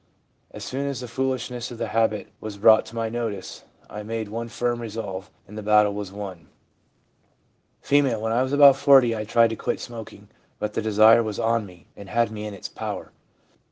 As soon as the foolishness of the habit was brought to my notice, I made one firm resolve, and the battle was won/ F. ' When I was about 40, I tried to quit smoking, but the desire was on me, and had me in its power.